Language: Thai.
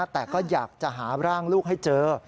แต่ก็อยากจะหาร่างลูกให้เจอ